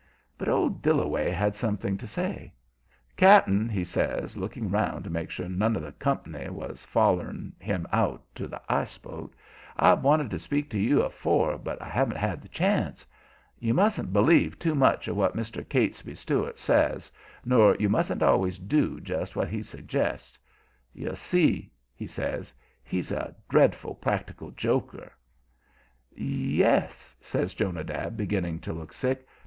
But old Dillaway had something to say. "Cap'n," he says, looking round to make sure none of the comp'ny was follering him out to the ice boat. "I've wanted to speak to you afore, but I haven't had the chance. You mustn't b'lieve too much of what Mr. Catesby Stuart says, nor you mustn't always do just what he suggests. You see," he says, "he's a dreadful practical joker." "Yes," says Jonadab, beginning to look sick.